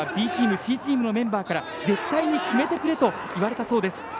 芦谷選手はＢチーム、Ｃチームのメンバーから絶対に決めてくれと言われたそうです。